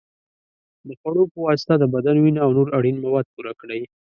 د خوړو په واسطه د بدن وینه او نور اړین مواد پوره کړئ.